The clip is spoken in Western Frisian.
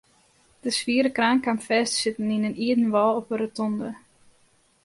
De swiere kraan kaam fêst te sitten yn in ierden wâl op de rotonde.